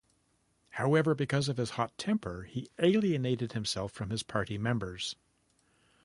However, because of his hot temper, he alienated himself from his party members.